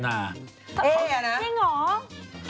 เอ๊น่ะจริงเหรอ